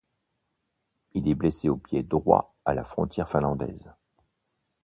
Il est blessé au pied droit à la frontière finlandaise.